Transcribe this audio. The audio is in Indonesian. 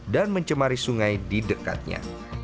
dan mencemari sungai di dekatnya